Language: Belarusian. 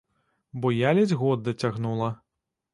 Бо я ледзь год дацягнула.